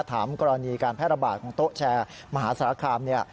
ถามกรณีการแพร่ระบาดของโต๊ะแชร์มหาสารคามเนี่ย